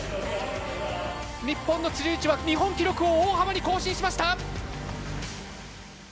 日本の辻内は日本記録を大幅に更新しました！